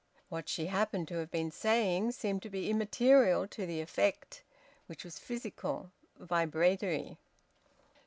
What she happened to have been saying seemed to be immaterial to the effect, which was physical, vibratory.